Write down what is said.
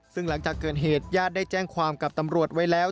ซึ่งหลังจากเกิดเหตุญาติได้แจ้งความกับตำรวจไว้แล้ว